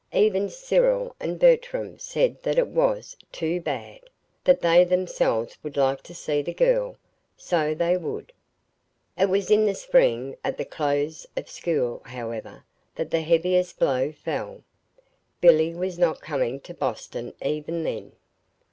Even Cyril and Bertram said that it was "too bad"; that they themselves would like to see the girl so they would! It was in the spring, at the close of school, however, that the heaviest blow fell: Billy was not coming to Boston even then.